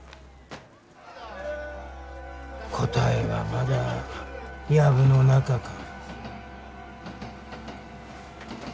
答えはまだヤブの中か。